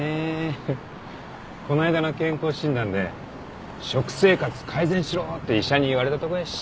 こないだの健康診断で食生活改善しろって医者に言われたとこやし。